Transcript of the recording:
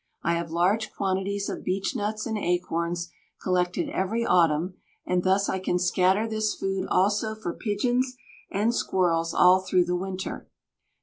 I have large quantities of beech nuts and acorns collected every autumn, and thus I can scatter this food also for pigeons and squirrels all through the winter.